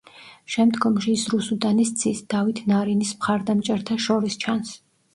შემდგომში ის რუსუდანის ძის დავით ნარინის მხარდამჭერთა შორის ჩანს.